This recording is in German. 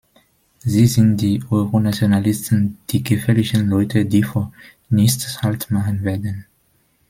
Sie sind die Euronationalisten, die gefährlichen Leute, die vor nichts Halt machen werden.